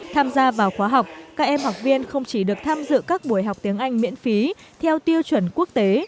tham gia vào khóa học các em học viên không chỉ được tham dự các buổi học tiếng anh miễn phí theo tiêu chuẩn quốc tế